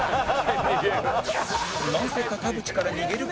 なぜか田渕から逃げる小宮